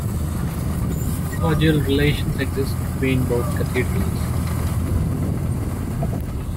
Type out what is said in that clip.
Cordial relations exist between both cathedrals.